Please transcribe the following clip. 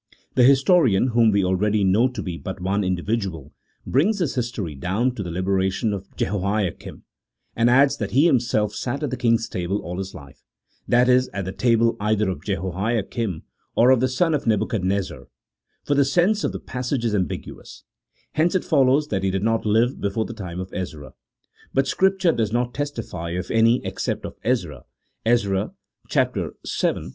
The historian whom we already know to be but one individual brings his history down to the liberation of Jehoiakim, and adds that he himself sat at the king's table all his life — that is, at the table either of Jehoiakim, or of the son of Nebuchadnezzar, for the sense of the passage is ambiguous : hence it follows that he did not live before the time of Ezra. But Scripture does not testify of any except of Ezra (Ezra vii.